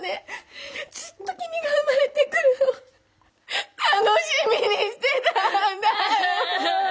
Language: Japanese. ずっと君が生まれてくるのを楽しみにしてたんだよ。